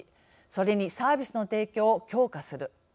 それに、サービスの提供を強化する。